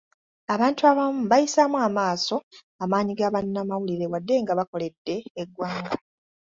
Abantu abamu bayisaamu amaaso amaanyi ga bannamawulire wadde nga bakoledde eggwanga.